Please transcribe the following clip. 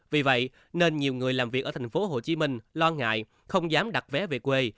vì vậy nên nhiều người làm việc ở thành phố hồ chí minh lo ngại không dám đặt vé về quê